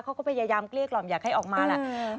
เขาก็พยายามเกลี้ยกล่อมอยากให้ออกมาแหละ